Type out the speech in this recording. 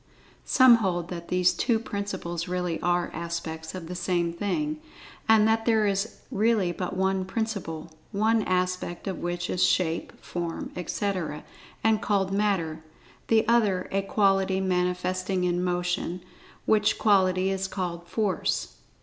Some hold that these two principles really are aspects of the same thing, and that there is really but one Principle, one aspect of which is shape, form, etc., and called Matter; the other a quality manifesting in Motion, which quality is called Force.